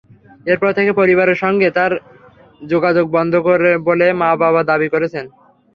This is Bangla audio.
এরপর থেকে পরিবারের সঙ্গে তাঁর যোগাযোগ বন্ধ বলে মা-বাবা দাবি করেছেন।